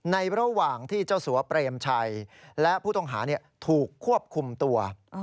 ในระหว่างที่เจ้าสัวเปรมชัยและผู้ต้องหาถูกควบคุมตัว